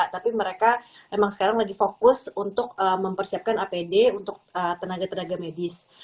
tapi mereka emang sekarang lagi fokus untuk mempersiapkan apd untuk tenaga tenaga medis